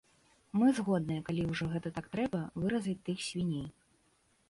Мы згодныя, калі ўжо гэта так трэба, выразаць тых свіней.